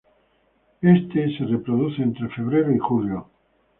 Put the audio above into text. Este se reproduce entre Febrero y Julio.